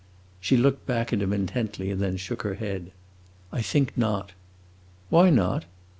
She looked back at him intently and then shook her head. "I think not!" "Why not?"